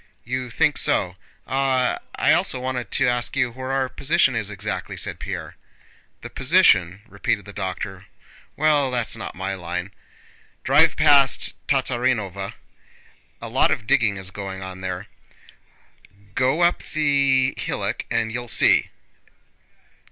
"You think so?... Ah, I also wanted to ask you where our position is exactly?" said Pierre. "The position?" repeated the doctor. "Well, that's not my line. Drive past Tatárinova, a lot of digging is going on there. Go up the hillock and you'll see."